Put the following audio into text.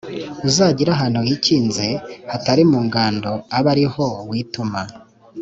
uzagire ahantu hikinze hatari mu ngando, abe ari ho wituma.